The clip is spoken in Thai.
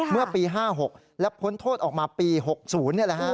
เมื่อปี๕๖และพ้นโทษออกมาปี๖๐นี่แหละฮะ